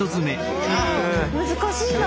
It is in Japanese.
難しいんだ。